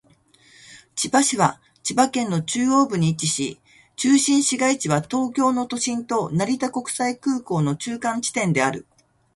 千葉市は千葉県の中央部に位置し、中心市街地は東京都の都心と成田国際空港の中間地点である。